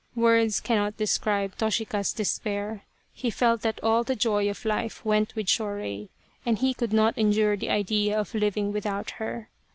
Words cannot describe Toshika's despair. He felt that all the joy of life went with Shorei, and he could not endure the idea of living without her.